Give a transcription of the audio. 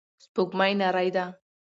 سپوږمۍ نرۍ ده.